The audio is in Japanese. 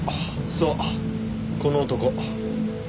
そうこの男。